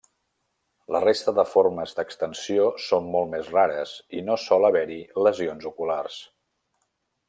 La resta de formes d'extensió són molt més rares i no sol haver-hi lesions oculars.